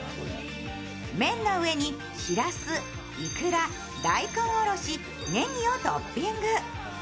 麺の上にしらす、いくら、大根おろし、ねぎをトッピング。